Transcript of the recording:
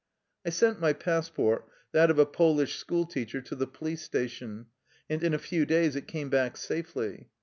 I sent my passport — that of a Polish school teacher — to the police station, and in a few days it came back safely.